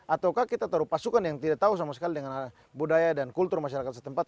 ataukah kita taruh pasukan yang tidak tahu sama sekali dengan budaya dan kultur masyarakat setempat